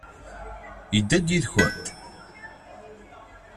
Yedda-d yid-kent?